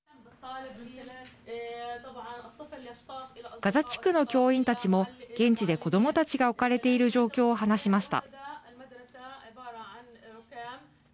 ガザ地区の教員たちも現地で子どもたちが置かれている状況を話しました。